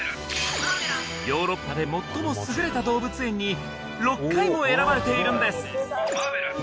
ヨーロッパで最も優れた動物園に６回も選ばれているんです